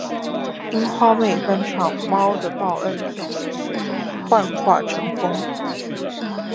樱花妹翻唱《猫的报恩》片尾曲《幻化成风》